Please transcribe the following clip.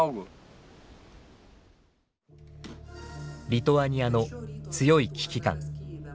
リトアニアの強い危機感。